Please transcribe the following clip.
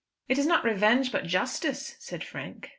"It is not revenge but justice," said Frank.